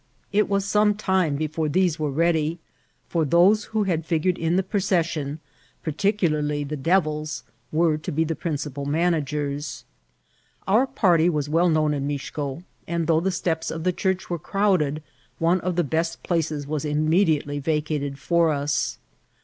It was eKxne time before these were ready, for those who had figored in the procession, particularly the dev ilsi were to be the principal managers. Our party was well known in Mixco ; and though the steps of the church were crowded, one of the best places was im mediately vacated for us.